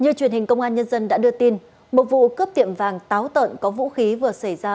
như truyền hình công an nhân dân đã đưa tin một vụ cướp tiệm vàng táo tợn có vũ khí vừa xảy ra